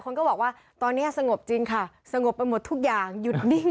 คนก็บอกว่าตอนนี้สงบจริงค่ะสงบไปหมดทุกอย่างหยุดนิ่ง